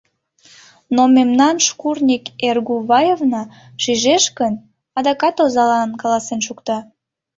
— Но мемнан шкурник Эргуваевна шижеш гын, адакат озалан каласен шукта.